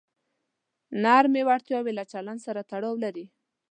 نرمې وړتیاوې له چلند سره تړاو لري.